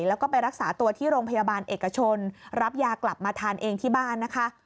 แล้วก็ไปรักษาตัวที่โรงพยาบาลเอกชนรับยากลับมาทานเองที่บ้านนะคะ